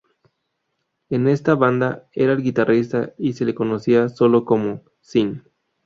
En esta banda era el guitarrista y se le conocía solo como "Syn".